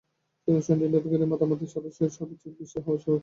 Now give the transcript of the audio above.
সুতরাং শচীন টেন্ডুলকারকে নিয়ে মাতামাতি অন্য সবার চেয়ে একটু বেশি হওয়াই স্বাভাবিক।